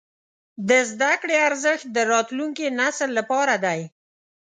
د زده کړې ارزښت د راتلونکي نسل لپاره دی.